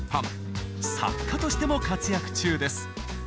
作家としても活躍中です。